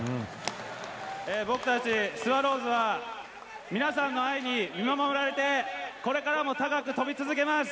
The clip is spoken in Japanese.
僕たちスワローズは、皆さんの愛に見守られて、これからも高く飛び続けます。